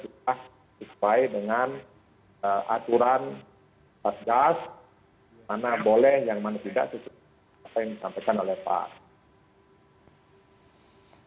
mana boleh yang mana tidak sesuai dengan apa yang disampaikan oleh pak